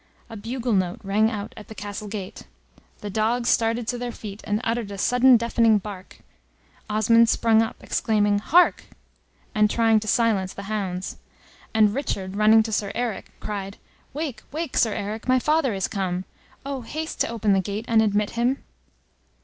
A bugle note rang out at the castle gate; the dogs started to their feet, and uttered a sudden deafening bark; Osmond sprung up, exclaiming, "Hark!" and trying to silence the hounds; and Richard running to Sir Eric, cried, "Wake, wake, Sir Eric, my father is come! Oh, haste to open the gate, and admit him."